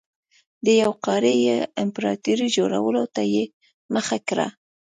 د یوې قاره يي امپراتورۍ جوړولو ته یې مخه کړه.